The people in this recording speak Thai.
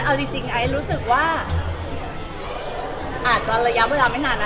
เอาจริงไอซ์รู้สึกว่าอาจจะระยะเวลาไม่นานนะ